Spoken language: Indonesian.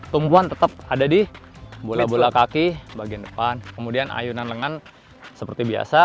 tumpuan tetap ada di bola bola kaki bagian depan kemudian ayunan lengan seperti biasa